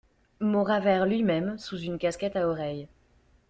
Mauravert lui-même, sous une casquette à oreilles.